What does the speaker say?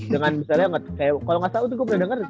kalau gak tau itu gue pernah denger